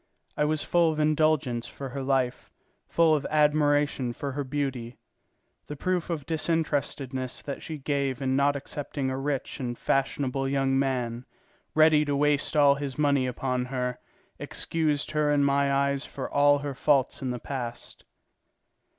I was full of indulgence for her life, full of admiration for her beauty. The proof of disinterestedness that she gave in not accepting a rich and fashionable young man, ready to waste all his money upon her, excused her in my eyes for all her faults in the past.